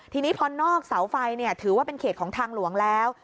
ทีนี้พอนอกเสาไฟถือว่าเป็นเขตของทางหลวงแล้ว